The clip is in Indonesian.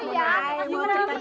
ayah sini ayah sini